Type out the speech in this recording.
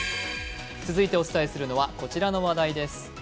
続いてお伝えするのは、こちらの話題です。